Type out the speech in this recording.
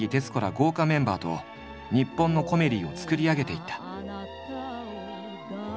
豪華メンバーと日本のコメディを作り上げていった。